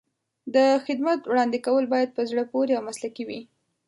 د خدمت وړاندې کول باید په زړه پورې او مسلکي وي.